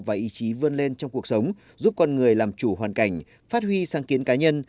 và ý chí vươn lên trong cuộc sống giúp con người làm chủ hoàn cảnh phát huy sáng kiến cá nhân